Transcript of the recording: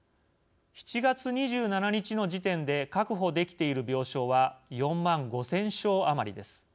７月２７日の時点で確保できている病床は４万５０００床余りです。